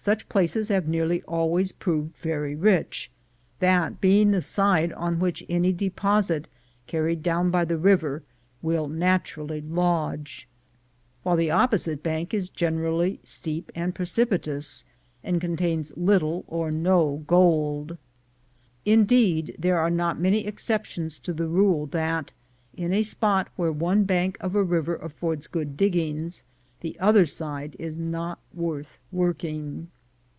Such places have nearly always proved very rich, that being the side on which any deposit carried down by the river will naturally lodge, while the opposite bank is generally steep and precipitous, and contains little or no gold. Indeed, there are not many exceptions to the rule that, in a spot where one bank of a river affords good diggings, the other side is not worth working.